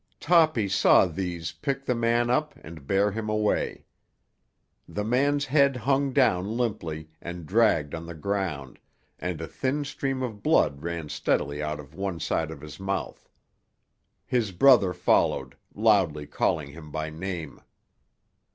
Toppy saw these pick the man up and bear him away. The man's head hung down limply and dragged on the ground, and a thin stream of blood ran steadily out of one side of his mouth. His brother followed, loudly calling him by name.